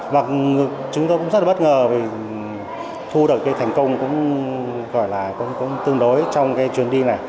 và chúng tôi cũng rất là bất ngờ vì thu được cái thành công cũng gọi là cũng tương đối trong cái chuyến đi này